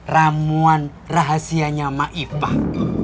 ramuan rahasianya ma'ifah